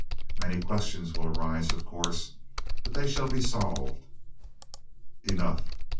Many questions will arise, of course; but they shall be solved. Enough!